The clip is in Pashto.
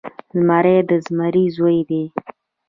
زمری د زمري زوی دی.